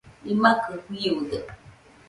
imakɨ jiude